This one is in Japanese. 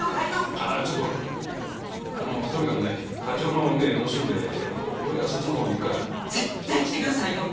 ああちょっと待ってくれあのとにかくね課長の目盗んで俺がそっちのほう行くから絶対来てくださいよ！